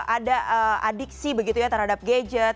ada adiksi begitu ya terhadap gadget